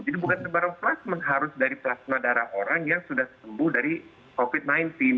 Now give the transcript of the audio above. bukan sebarang plasma harus dari plasma darah orang yang sudah sembuh dari covid sembilan belas